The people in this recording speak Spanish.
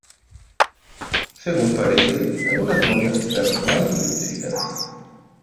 Según parece, algunas momias están mal identificadas.